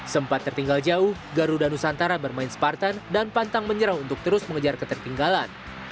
sempat tertinggal jauh garuda nusantara bermain spartan dan pantang menyerang untuk terus mengejar ketertinggalan